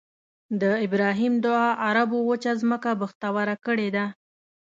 د ابراهیم دعا عربو وچه ځمکه بختوره کړې ده.